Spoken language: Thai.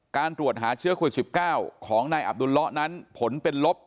การตรวจหาเชื้อโควิด๑๙ของนายอับดุลเลาะนั้นผลเป็นลบ